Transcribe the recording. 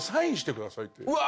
うわ！